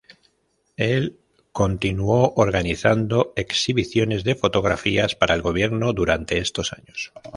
Él continuó organizando exhibiciones de fotografías para el gobierno durante estos años.